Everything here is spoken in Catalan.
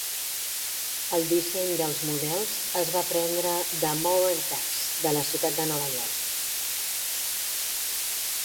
El disseny dels models es va prendre de Moran Tugs de la ciutat de Nova York.